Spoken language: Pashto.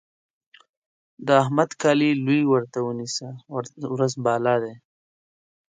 د احمد کالي لوی ورته ونيسه؛ ورځ بالا دی.